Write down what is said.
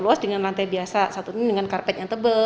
luas dengan lantai biasa satu tim dengan karpet yang tebal